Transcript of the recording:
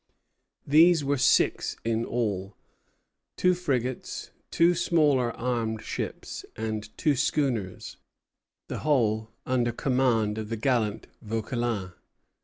These were six in all, two frigates, two smaller armed ships, and two schooners; the whole under command of the gallant Vauquelin.